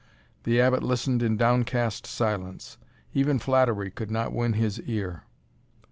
The Abbot listened in downcast silence; even flattery could not win his ear.